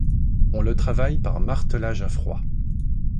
On le travaille par martelage à froid.